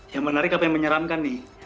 yang menarik apa yang menyeramkan nih